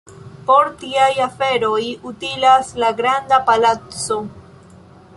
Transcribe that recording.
Por tiaj aferoj utilas la Granda Palaco.